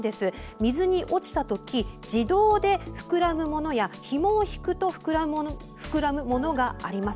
水に落ちたとき自動で膨らむものやひもを引くと膨らむものがあります。